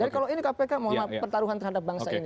kalau ini kpk mau pertaruhan terhadap bangsa ini